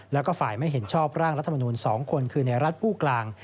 แล้วก็ฝ่ายไม่เห็นชอบร่างรัฐมนูล๒คนคือในรัฐผู้กลาง